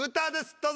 どうぞ。